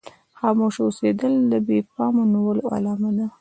خاموشه اوسېدل د بې پامه نيولو علامه ده.